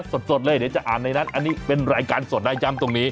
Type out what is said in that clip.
สดเลยเดี๋ยวจะอ่านในนั้นอันนี้เป็นรายการสดนะย้ำตรงนี้